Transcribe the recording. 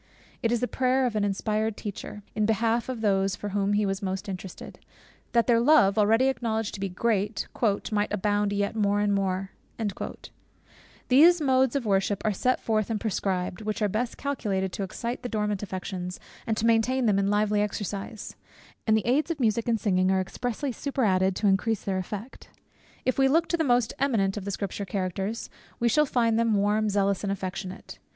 It is the prayer of an inspired teacher, in behalf of those for whom he was most interested, "that their love" (already acknowledged to be great) "might abound yet more and more:" Those modes of worship are set forth and prescribed, which are best calculated to excite the dormant affections, and to maintain them in lively exercise; and the aids of music and singing are expressly superadded to increase their effect. If we look to the most eminent of the Scripture Characters, we shall find them warm, zealous, and affectionate.